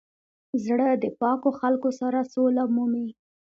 زړه د پاکو خلکو سره سوله مومي.